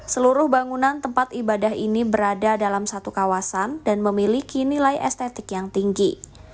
seluruh bangunan tempat ibadah ini berada dalam satu kawasan dan memiliki nilai estetik yang tinggi